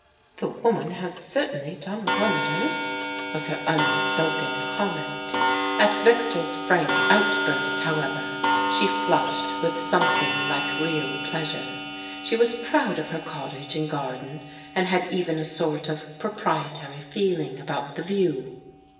"The woman has certainly done wonders," was her unspoken comment. At Victor's frank outburst, however, she flushed with something like real pleasure. She was proud of her cottage and garden, and had even a sort of proprietary feeling about the view.